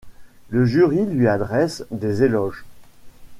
Le jury lui adresse des éloges.